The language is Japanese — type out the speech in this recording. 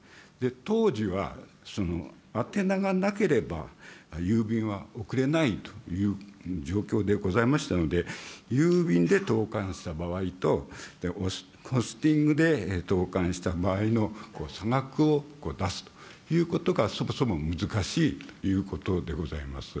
当時は宛名がなければ郵便は送れないという状況でございましたので、郵便で投かんした場合と、ポスティングで投かんした場合の差額を出すということがそもそも難しいということでございます。